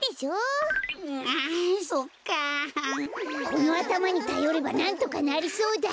このあたまにたよればなんとかなりそうだ！